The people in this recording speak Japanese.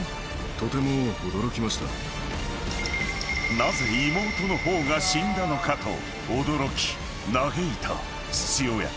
［なぜ妹の方が死んだのかと驚き嘆いた父親］